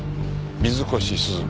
水越涼香。